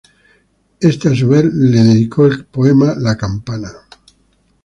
Este a su vez le dedicó el poema "La campana.